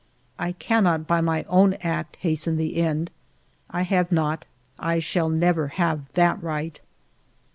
I cannot by my own act hasten the end. I have not, I shall never have, that right.